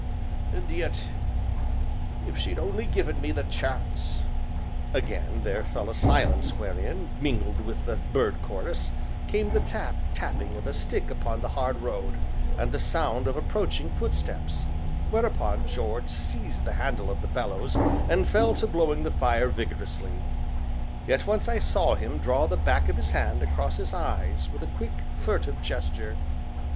And yet if she'd only given me the chance!" Again there fell a silence wherein, mingled with the bird chorus, came the tap, tapping of a stick upon the hard road, and the sound of approaching footsteps; whereupon George seized the handle of the bellows and fell to blowing the fire vigorously; yet once I saw him draw the back of his hand across his eyes with a quick, furtive gesture.